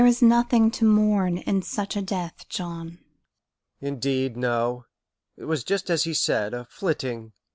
"There is nothing to mourn in such a death, John." "Indeed, no. It was just as he said 'a flitting.'